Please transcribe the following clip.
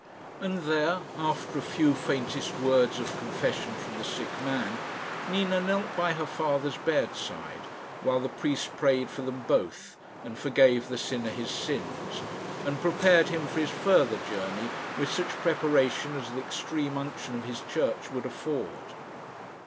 And there, after a few faintest words of confession from the sick man, Nina knelt by her father's bedside, while the priest prayed for them both, and forgave the sinner his sins, and prepared him for his further journey with such preparation as the extreme unction of his Church would afford.